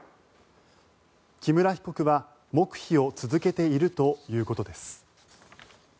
木村被告は黙秘を続けているということです。